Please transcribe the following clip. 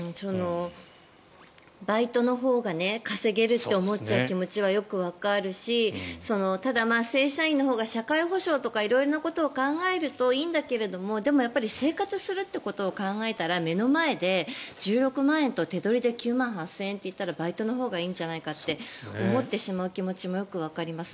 バイトのほうが稼げると思っちゃう気持ちはよくわかるしただ、正社員のほうが社会保障とか色々なことを考えるといいんだけれどもでも、生活するということを考えたら目の前で１６万円と手取りで９万８０００円と言ったらバイトのほうがいいと思っちゃう気持ちもよくわかります。